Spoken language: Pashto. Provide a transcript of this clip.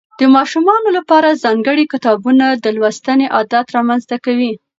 د ماشومانو لپاره ځانګړي کتابونه د لوستنې عادت رامنځته کوي.